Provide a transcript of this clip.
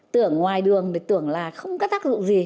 tưởng ngoài đường tưởng là không có tác dụng gì